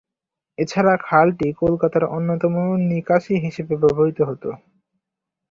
এছাড়া খালটি কলকাতার অন্যতম নিকাশি হিসাবে ব্যবহৃত হত।